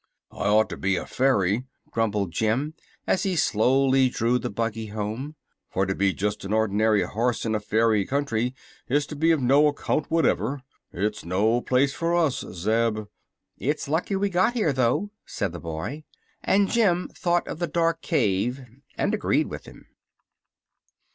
"I ought to be a fairy," grumbled Jim, as he slowly drew the buggy home; "for to be just an ordinary horse in a fairy country is to be of no account whatever. It's no place for us, Zeb." "It's lucky we got here, though," said the boy; and Jim thought of the dark cave, and agreed with him.